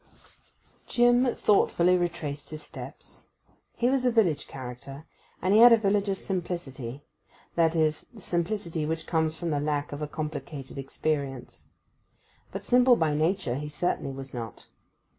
Jim thoughtfully retraced his steps. He was a village character, and he had a villager's simplicity: that is, the simplicity which comes from the lack of a complicated experience. But simple by nature he certainly was not.